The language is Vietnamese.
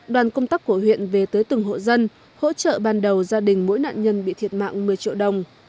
đoàn công tác của huyện về tới từng hộ dân hỗ trợ ban đầu gia đình mỗi nạn nhân bị thiệt mạng một mươi triệu đồng